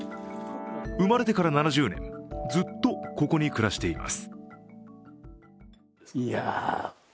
生まれてから７０年、ずっとここに暮らしています。